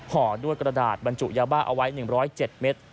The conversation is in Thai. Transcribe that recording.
ห่อด้วยกระดาษบรรจุยาบ้าเอาไว้๑๐๗เมตร